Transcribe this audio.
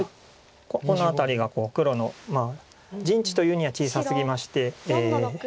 この辺りが黒の陣地というには小さすぎまして。